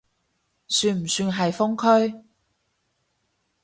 算唔算係封區？